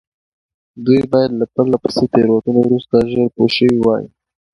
دوی باید له پرله پسې تېروتنو وروسته ژر پوه شوي وای.